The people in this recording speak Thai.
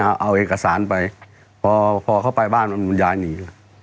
พศ๖๐ให้เอาเอกสารไปพอเข้าไปบ้านมันมันย้ายหนี